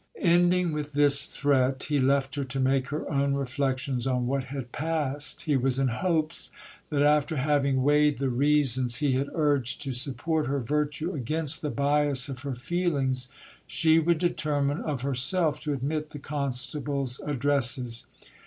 Ending with this threat, he left her to make her own reflections on what had passed. He was in hopes that after having weighed the reasons he had urged to support her virtue against the bias of her feelings, she would determine of herself to admit the constable's addresses.